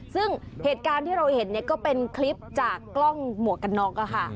ซึ่งเหตุการณ์ที่เราเห็นก็เป็นคลิปจากกล้องหมวกกันน็อก